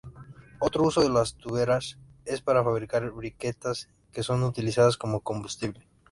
Otro uso de las turberas es para fabricar briquetas que son utilizadas como combustible.